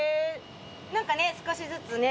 何かね少しずつね。